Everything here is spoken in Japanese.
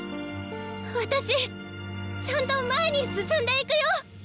私ちゃんと前に進んでいくよ。